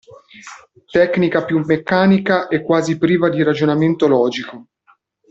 Tecnica più meccanica e quasi priva di ragionamento logico.